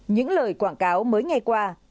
những lời quảng cáo mới nghe qua